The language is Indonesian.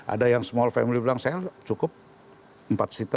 ada yang small family bilang saya cukup empat seater atau empat seater